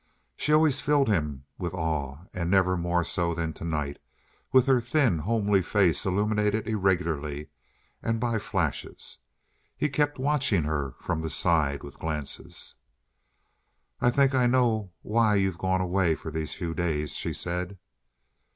She always filled him with awe and never more so than tonight, with her thin, homely face illuminated irregularly and by flashes. He kept watching her from the side, with glances. "I think I know why you've gone away for these few days," she said.